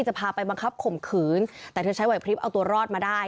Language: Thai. จะพาไปบังคับข่มขืนแต่เธอใช้ไหวพลิบเอาตัวรอดมาได้